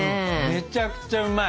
めちゃくちゃうまい。